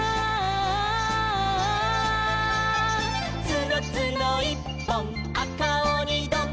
「つのつのいっぽんあかおにどん」